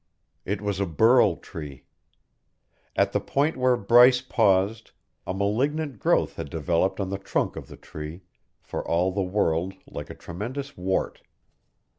It was a burl tree. At the point where Bryce paused a malignant growth had developed on the trunk of the tree, for all the world like a tremendous wart.